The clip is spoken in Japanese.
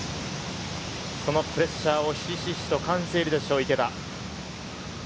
そのプレッシャーをひしひしと感じているでしょう、池田。